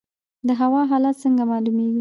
د هوا حالات څنګه معلومیږي؟